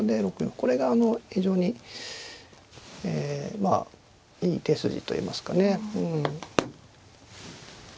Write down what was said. これが非常にまあいい手筋といいますかね。